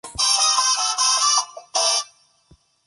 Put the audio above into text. Hay una tercera versión de "Waves of Love" en la versión japonesa.